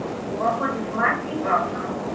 Уваходзяць маці і бабка.